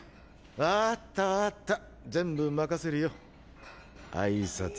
わぁったわぁった全部任せるよあい・さつ。